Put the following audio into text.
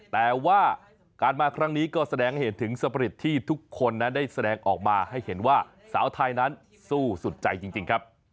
แต่ว่าการมาครั้งนี้ก็แสดงเหตุถึงสปริตที่ทุกคนนั้นได้แสดงออกมาให้เห็นว่าสาวไทยนั้นสู้สุดใจจริงครับ